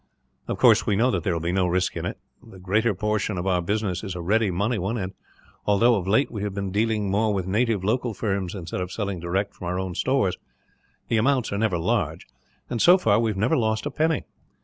"Of course, we know that there will be no risk in it. The greater portion of our business is a ready money one and although, of late, we have been dealing more with native local firms instead of selling direct from our own stores, the amounts are never large and, so far, we have never lost a penny.